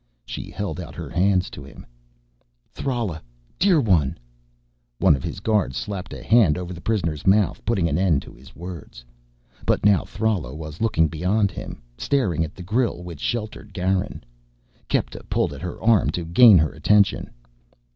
She held out her hands to him. "Thrala, dear one !" One of his guards slapped a hand over the prisoner's mouth putting an end to his words. But now Thrala was looking beyond him, straight at the grill which sheltered Garin. Kepta pulled at her arm to gain her attention.